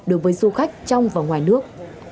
đối với du khách trong và ngoài nước